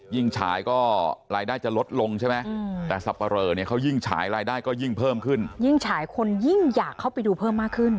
ยิ่งฉายก็รายได้จะลดลงใช่มั้ยอืมแต่อยิ่งฉายรายได้ยิ่งเพิ่มขึ้นยิ่งฉายคนยิ่งอยากเข้าไปดูเพิ่มมากขึ้น